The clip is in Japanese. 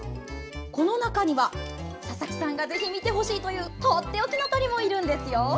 この中には、佐々木さんがぜひ見てほしいというとっておきの鳥もいるんですよ。